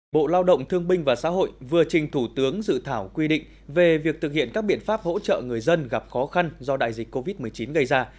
bộ lao động thương binh và xã hội vừa trình thủ tướng dự thảo quy định về việc thực hiện các biện pháp hỗ trợ người dân gặp khó khăn do đại dịch covid một mươi chín gây ra